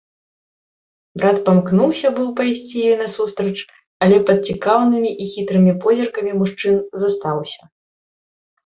Брат памкнуўся быў пайсці ёй насустрач, але пад цікаўнымі і хітрымі позіркамі мужчын застаўся.